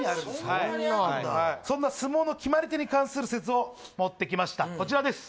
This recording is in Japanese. そんなあんのそんな相撲の決まり手にかんする説を持ってきましたこちらです